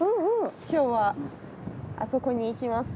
今日はあそこに行きます。